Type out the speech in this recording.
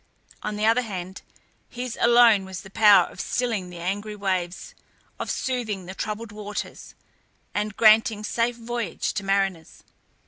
On the other hand, his alone was the power of stilling the angry waves, of soothing the troubled waters, and granting safe voyages to mariners.